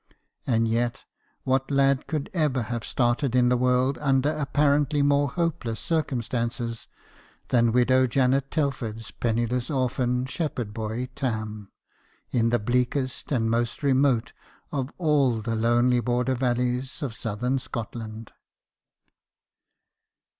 And yet, what lad could ever have started in the world under apparently more hopeless circumstances than widow Janet Telford's penniless orphan shepherd boy Tarn, in the bleakest and most remote of all the lonely border valleys of southern Scotland